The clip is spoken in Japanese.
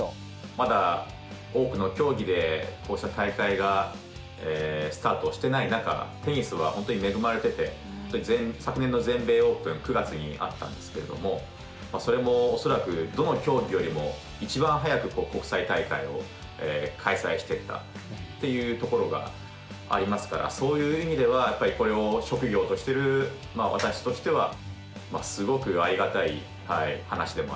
まだ多くの競技でこうした大会がスタートしてない中テニスは本当に恵まれてて昨年の全米オープン９月にあったんですけれどもそれも恐らくどの競技よりも一番早く国際大会を開催してたっていうところがありますからそういう意味ではこれを職業としてる私としてはすごくありがたい話でもありましたね。